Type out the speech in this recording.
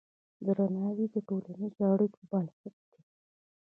درناوی د ټولنیزو اړیکو بنسټ دی.